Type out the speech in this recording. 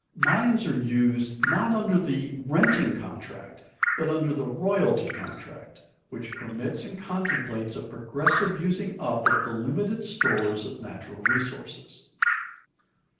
Mines are used not under the renting contract, but under the royalty contract, which permits and contemplates a progressive using up of the limited stores of natural resources.